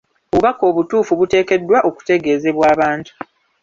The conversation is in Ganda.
Obubaka obutuufu buteekeddwa okutegeezebwa abantu.